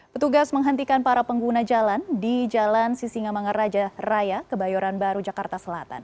petugas menghentikan para pengguna jalan di jalan sisingamangaraja raya kebayoran baru jakarta selatan